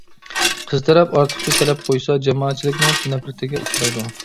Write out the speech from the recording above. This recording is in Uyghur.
قىز تەرەپ ئارتۇقچە تەلەپ قويسا، جامائەتچىلىكنىڭ نەپرىتىگە ئۇچرايدۇ.